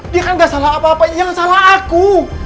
dia kan gak salah apa apa yang salah aku